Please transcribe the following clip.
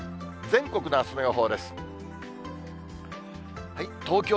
全国のあすの予報です。